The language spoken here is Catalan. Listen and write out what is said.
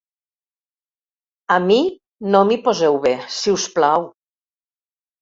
A mi no m'hi poseu bé, si us plau.